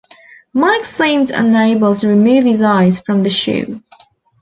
Mike seemed unable to remove his eyes from the shoe.